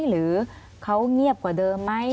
หรือเขาเงียบกว่าเดิมไหม